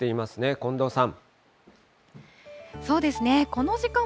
近藤さん。